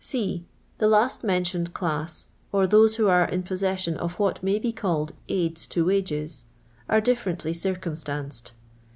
r. The last mentioned class, or those who arc in possession of what may be called "aids to wages," are differently circumstanced.